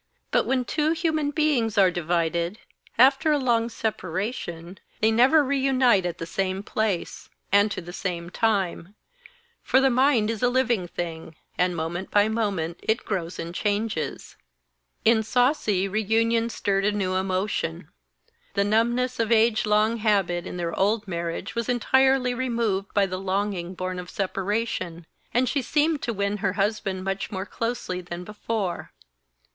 But when two human beings are divided, after a long separation, they never re unite at the same place, and to the same time; for the mind is a living thing, and moment by moment it grows and changes. In Sasi reunion stirred a new emotion. The numbness of age long habit in their old marriage was entirely removed by the longing born of separation, and she seemed to win her husband much more closely than before.